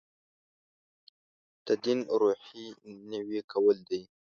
تدین روحیې نوي کول دی.